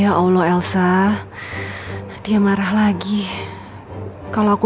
ya allah elsa dia marah lagi kalau aku